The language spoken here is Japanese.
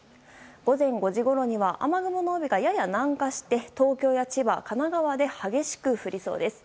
午前５時ごろには雨雲の帯がやや南下して東京や千葉、神奈川で激しく降りそうです。